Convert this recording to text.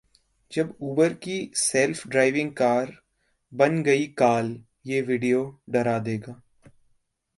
...जब Uber की self driving car बन गई काल, ये Video डरा देगा